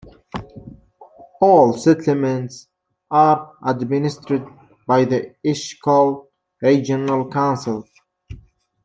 All settlements are administered by the Eshkol Regional Council.